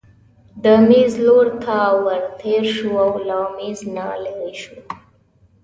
د مېز لور ته ورتېر شو او له مېز نه لیرې شو.